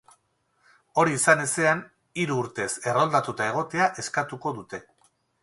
Hori izan ezean, hiru urtez erroldatuta egotea eskatuko dute.